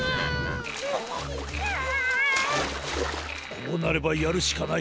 こうなればやるしかない。